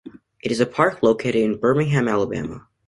It is a park located in Birmingham, Alabama.